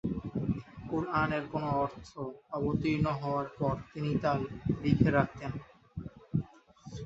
কুরআনের কোনো অংশ অবতীর্ণ হওয়ার পর তিনি তা লিখে রাখতেন।